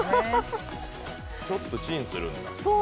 ちょっとチンする。